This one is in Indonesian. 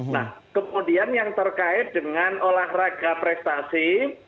nah kemudian yang terkait dengan olahraga prestasi